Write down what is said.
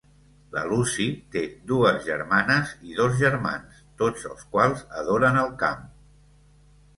La Lucy té dues germanes i dos germans, tots els quals adoren el camp.